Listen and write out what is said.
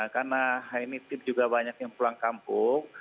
karena ini tim juga banyak yang pulang kampung